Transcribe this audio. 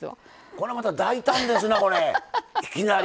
これはまた大胆ですね。